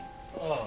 ああ。